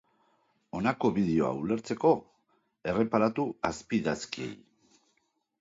Honako bideoa ulertzeko, erreparatu azpiidazkiei.